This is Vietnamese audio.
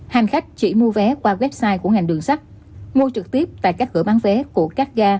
hành khách chỉ mua vé qua website của ngành đường sắt mua trực tiếp tại các cửa bán vé của các ga